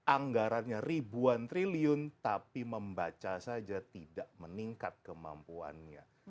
anggarannya ribuan triliun tapi membaca saja tidak meningkat kemampuannya